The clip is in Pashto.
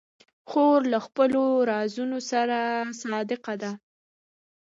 خور له خپلو رازونو سره صادقه ده.